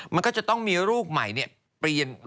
มันก็จะต้องมีรูปใหม่เปลี่ยน